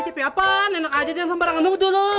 shepi apaan enak aja dengan sembarangan nuduh lo